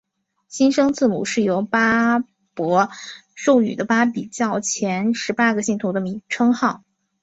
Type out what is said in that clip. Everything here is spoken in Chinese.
新生字母是由巴孛授予的巴比教前十八个信徒的称号。